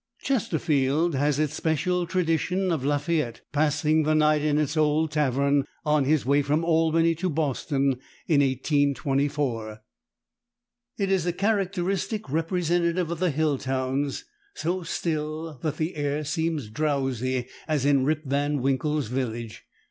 Chesterfield has its special tradition of Lafayette passing the night in its old tavern, on his way from Albany to Boston, in 1824. It is a characteristic representative of the hill towns, so still that the air seems drowsy as in Rip Van Winkle's village.